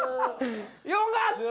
よかった。